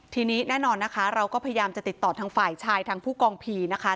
ทีนี้แน่นอนนะคะเราก็พยายามจะติดต่อทางฝ่ายชายทางผู้กองพีนะคะ